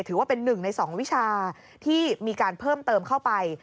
ถือว่าเป็นหนึ่งในสองวิชาที่มีการเพิ่มเติมเข้าไป